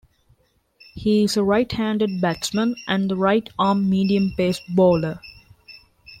He is a right-handed batsman and right-arm medium-pace bowler.